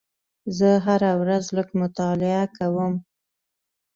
زه هره ورځ لږ مطالعه کوم.